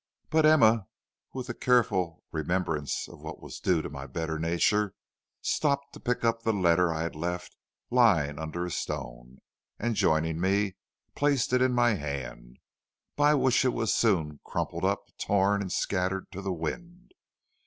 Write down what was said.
"But Emma, with a careful remembrance of what was due to my better nature, stopped to pick up the letter I had left lying under a stone, and joining me, placed it in my hand, by which it was soon crumpled up, torn, and scattered to the wind.